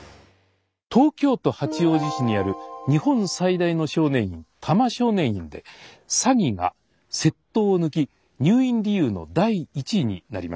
東京都八王子市にある日本最大の少年院多摩少年院で「詐欺」が「窃盗」を抜き入院理由の第一位になりました。